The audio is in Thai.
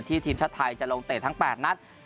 ทีมชาติไทยจะลงเตะทั้ง๘นัด